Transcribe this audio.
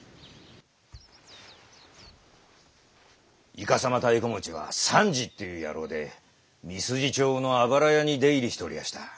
いかさま太鼓持ちは「三治」っていう野郎で三筋町のあばら家に出入りしておりやした。